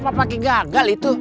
kenapa pak ki gagal itu